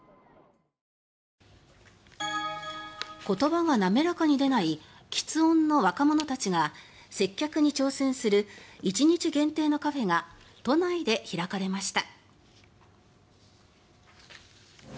言葉が滑らかに出ないきつ音の若者たちが接客に挑戦する１日限定のカフェが都内で開かれました。